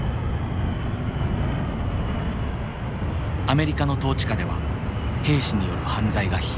アメリカの統治下では兵士による犯罪が頻発。